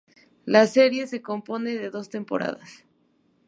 La serie se compone de dos temporadas.